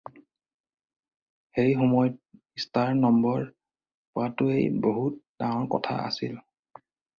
সেই সময়ত star number পোৱাটোৱেই বহুত ডাঙৰ কথা আছিল।